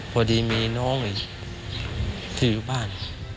พอดีมีน้องอีกที่อยู่บ้าน